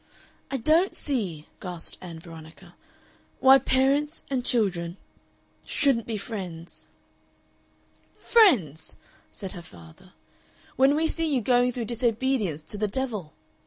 "I don't see," gasped Ann Veronica, "why parents and children... shouldn't be friends." "Friends!" said her father. "When we see you going through disobedience to the devil!